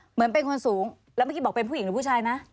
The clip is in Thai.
เหมือนเป็นคนสูงแล้วเมื่อกี้บอกเป็นผู้หญิงหรือผู้ชายนะ